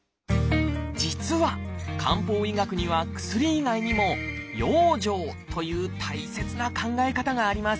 実は漢方医学には薬以外にも「養生」という大切な考え方があります。